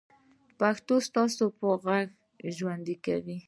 پښتو ستاسو په غږ ژوندۍ کېږي.